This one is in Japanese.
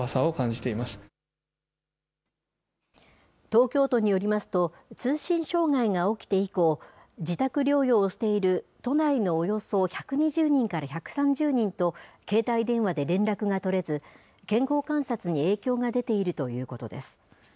東京都によりますと、通信障害が起きて以降、自宅療養をしている都内のおよそ１２０人から１３０人と、携帯電話で連絡が取れず、健康観察に影響が出ているということです。